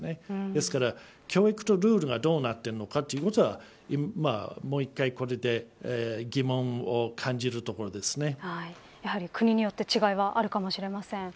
ですから、教育とルールがどうなっているのかということはもう１回、これでやはり国によって違いはあるかもしれません。